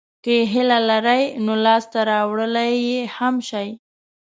که یې هیله لرئ نو لاسته راوړلای یې هم شئ.